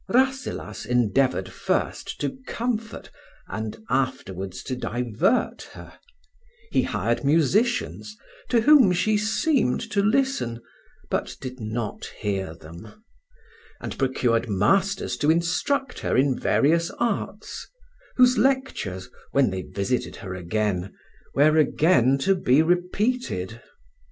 Rasselas endeavoured first to comfort and afterwards to divert her; he hired musicians, to whom she seemed to listen, but did not hear them; and procured masters to instruct her in various arts, whose lectures, when they visited her again, were again to be repeated.